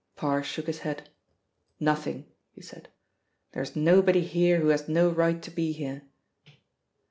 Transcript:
Parr shook his head. "Nothing," he said. "There is nobody here who has no right to be here."